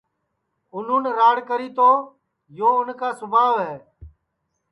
اُنون راڑ کری تو یو اُن کا سوبھاو